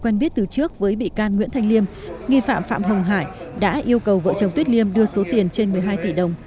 nguyễn phạm phạm hồng hải đã yêu cầu vợ chồng tuyết liêm đưa số tiền trên một mươi hai tỷ đồng